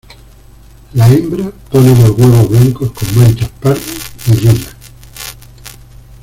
La hembra pone dos huevos blancos con manchas pardas y lilas.